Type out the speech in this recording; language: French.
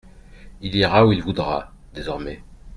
Il ira où il voudra, désormais.